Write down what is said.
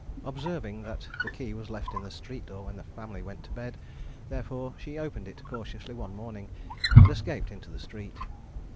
Observing that the key was left in the street door when the family went to bed, therefore, she opened it cautiously one morning, and escaped into the street.